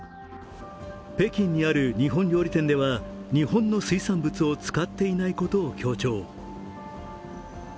北京にある日本料理店では、日本の水産物を使っていないことを強調。